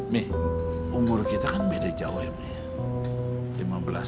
mi umur kita kan beda jauh ya mi